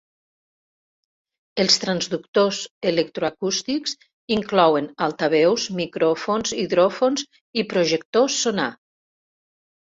Els transductors electroacústics inclouen altaveus, micròfons, hidròfons i projectors sonar.